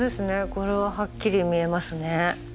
これははっきり見えますね。